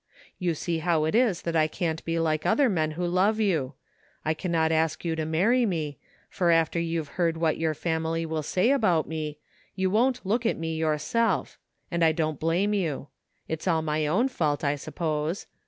You see how it is that I can't be like other men who love you. I cannot 80 THE FINDING OF JASPER HOLT ask you to marry me ; for after you've heard what your family will say about me you won't look at me yoiu* self — ^and I don't blame you. It's all my own fault, I suppose.